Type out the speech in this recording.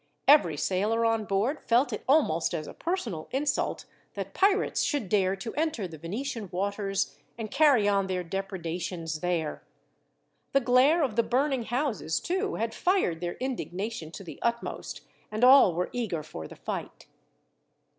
Every sailor on board felt it almost as a personal insult, that pirates should dare to enter the Venetian waters and carry on their depredations there. The glare of the burning houses, too, had fired their indignation to the utmost, and all were eager for the fight.